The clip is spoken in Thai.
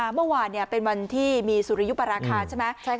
เมื่อวานเป็นวันที่มีสุริยุปราคาใช่ไหม